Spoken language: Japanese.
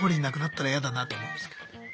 なくなったら嫌だなと思うんですけど。